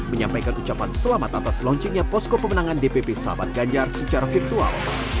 menyampaikan ucapan selamat atas launchingnya posko pemenangan dpp sahabat ganjar secara virtual